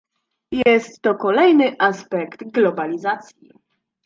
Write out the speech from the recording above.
Jest to kolejny aspekt globalizacji